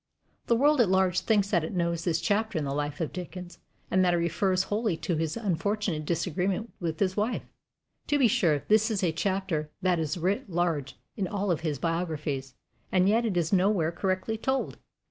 The world at large thinks that it knows this chapter in the life of Dickens, and that it refers wholly to his unfortunate disagreement with his wife. To be sure, this is a chapter that is writ large in all of his biographies, and yet it is nowhere correctly told.